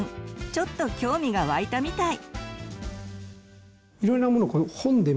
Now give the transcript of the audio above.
ちょっと興味が湧いたみたい。